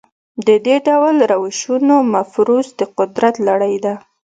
د دې ډول روشونو مفروض د قدرت لړۍ ده.